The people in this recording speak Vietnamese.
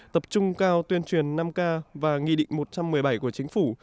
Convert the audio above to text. tập trung cao tuyên truyền năm k và nghị định một trăm một mươi bảy của chính phủ